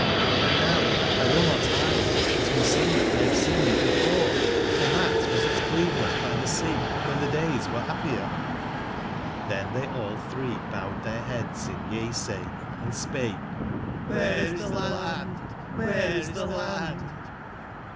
Hnd now Twill not bide tbat meeeemetb 1 bave seen you before, & tbat was at Cleveland by tbe Seawben tbe days were bap/ pier''j(^Xrben tbey all tbree bowed tbeir beads in yea/say, and spake: ''SIbere is tbe land? ^bere is tbe land